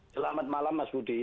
selamat malam mas budi